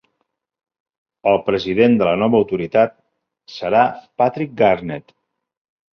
El president de la nova autoritat serà Patrick Garnett.